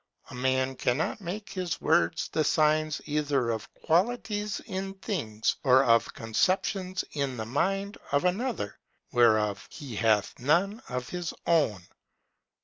A man cannot make his words the signs either of qualities in things, or of conceptions in the mind of another, whereof he has none in his own.